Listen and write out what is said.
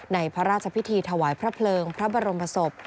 ในพระราชพิธีถวายพระเพลิงพระบรมศพ